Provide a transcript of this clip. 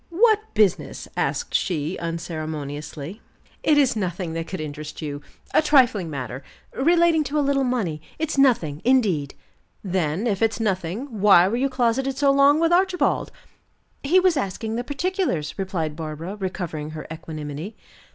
"What business?" asked she unceremoniously. "It is nothing that could interest you. A trifling matter, relating to a little money. It's nothing, indeed." "Then, if it's nothing, why were you closeted so long with Archibald?" "He was asking the particulars," replied Barbara, recovering her equanimity.